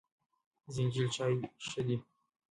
زنجبیل چای ښه دی.